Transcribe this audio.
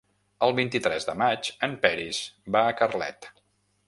El vint-i-tres de maig en Peris va a Carlet.